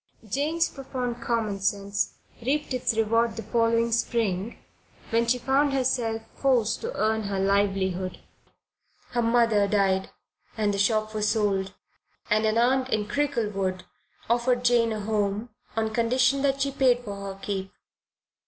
Jane's profound common sense reaped its reward the following spring when she found herself obliged to earn her livelihood. Her mother died, and the shop was sold, and an aunt in Cricklewood offered Jane a home, on condition that she paid for her keep.